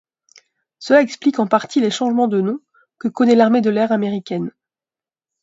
Cela explique en partie les changements de nom que connaît l'Armée de l'air américaine.